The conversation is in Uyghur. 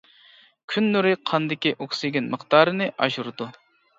كۈن نۇرى قاندىكى ئوكسىگېن مىقدارىنى ئاشۇرىدۇ.